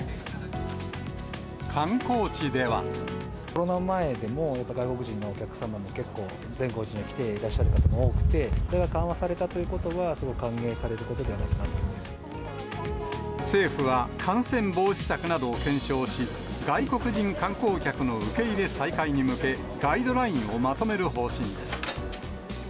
コロナ前でも、やっぱり、外国人のお客様は結構、善光寺に来ていらっしゃる方も多くて、これが緩和されたということは、すごく歓迎されることではないか政府は、感染防止策などを検証し、外国人観光客の受け入れ再開に向け、ガイドラインをまとめる方針です。